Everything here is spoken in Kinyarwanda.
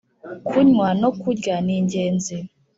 kunywa no kurya ni ingenzi